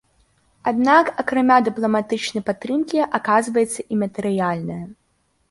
Аднак акрамя дыпламатычнай падтрымкі, аказваецца і матэрыяльная.